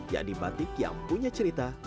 yakni batik yang punya cerita